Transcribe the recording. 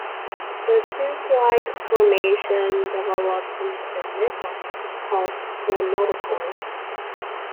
A tube-like formation develops in the midline, called the notochord.